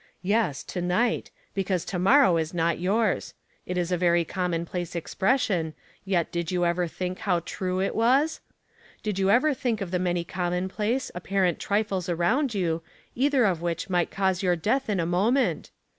"Yes, to night, because to morrow is not yours. It is a very commonplace expression, yet did you ever think how true it was? Did you ever think of the many commonplace, ap« Light, 291 parent trifles around you, either of wliich might cause your death in a moment